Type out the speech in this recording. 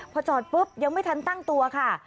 พอจอดปุ๊บยังไม่ทันตั้งตัวค่ะ